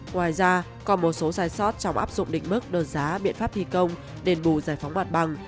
ngoài ra còn một số giải sót trong áp dụng định mức đơn giá biện pháp thi công đền bù giải phóng mặt bằng